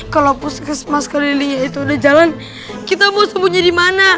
kalau puskesmas kelilingnya itu udah jalan kita mau sembunyi dimana